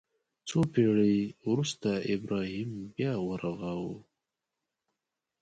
څو پېړۍ وروسته ابراهیم بیا ورغاوه.